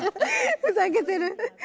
ふざけてる。